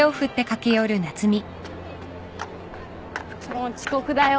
もう遅刻だよ。